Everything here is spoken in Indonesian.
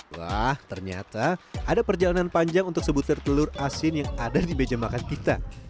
wah ternyata ada perjalanan panjang untuk sebutir telur asin yang ada di meja makan kita